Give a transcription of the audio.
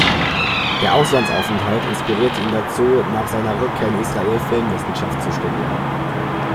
Der Auslandsaufenthalt inspirierte ihn dazu, nach seiner Rückkehr in Israel Filmwissenschaft zu studieren.